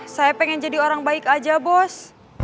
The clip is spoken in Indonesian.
saya pengen jadi orang baik aja bos